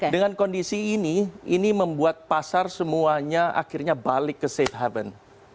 dengan kondisi ini ini membuat pasar semuanya akhirnya balik ke safe haven